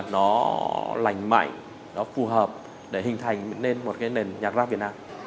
nó lành mạnh nó phù hợp để hình thành nên một cái nền nhạc rap việt nam